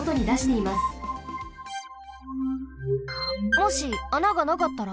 もし穴がなかったら？